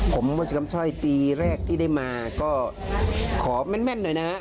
ผมว่าจะคำสร้อยปีแรกที่ได้มาก็ขอแม่นหน่อยนะฮะ